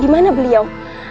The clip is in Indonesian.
di mana beliau